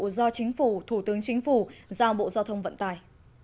do chính phủ thủ tướng chính phủ giao bộ giao thông vận tải